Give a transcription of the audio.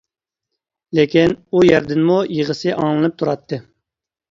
لېكىن، ئۇ يەردىنمۇ يىغىسى ئاڭلىنىپ تۇراتتى.